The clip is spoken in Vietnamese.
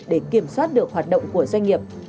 để kiểm soát được hoạt động của doanh nghiệp